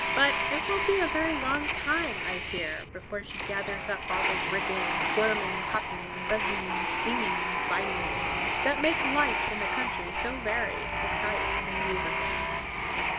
But it will be a very long time, I fear, before she gathers up all the wriggling, squirming, hopping, buzzing, stinging, biting things that make life in the country so varied, exciting, and musical.